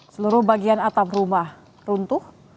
seluruh bagian atap rumah runtuh